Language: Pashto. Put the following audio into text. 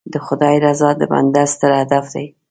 د خدای رضا د بنده ستر هدف دی.